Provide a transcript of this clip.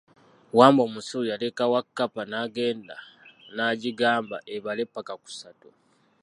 Wambwa omusiru yaleka Wakkapa n'agenda naagyigaamba ebale ppaka ku ssatu.